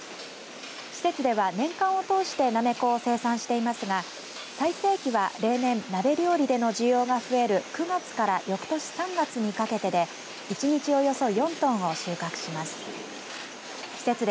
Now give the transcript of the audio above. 施設では年間を通してなめこを生産していますが最盛期は例年鍋料理の需要が増える９月から翌年３月にかけてで一日およそ４トンを収穫します。